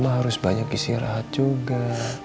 harus banyak istirahat juga